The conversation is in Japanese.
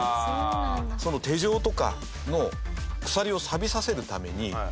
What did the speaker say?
手錠とかの鎖を錆びさせるために。